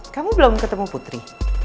kamu belum ketemu putri